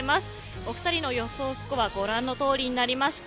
お二人の予想スコアご覧のとおりになりました。